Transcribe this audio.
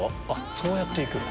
そうやって行く。